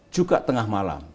juga tengah malam